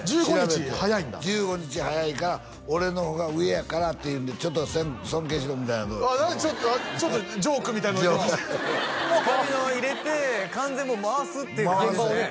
１５日早いんだ１５日早いから俺の方が上やからっていうんでちょっと尊敬しろみたいな何ちょっとジョークみたいなのつかみを入れて完全にもう回すっていう感じですね